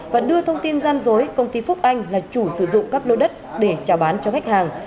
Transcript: và đưa thông tin gian dối công ty phúc anh là chủ sử dụng các lô đất để trả bán cho khách hàng